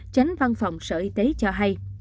chánh văn phòng sở y tế cho hay